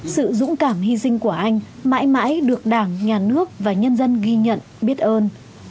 sự dũng cảm hy sinh của anh mãi mãi được đảng nhà nước và nhân dân ghi nhận biết ơn